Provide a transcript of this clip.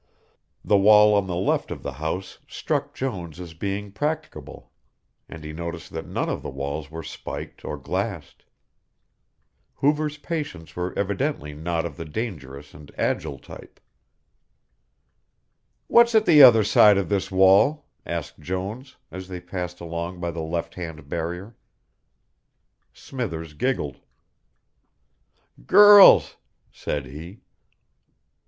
The wall on the left of the house struck Jones as being practicable, and he noticed that none of the walls were spiked or glassed. Hoover's patients were evidently not of the dangerous and agile type. "What's at the other side of this wall?" asked Jones, as they passed along by the left hand barrier. Smithers giggled. "Girls," said he.